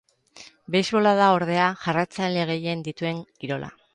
Beisbola da, ordea, jarraitzaile gehien dituen kirola.